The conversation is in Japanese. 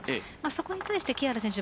そこに対して木原選手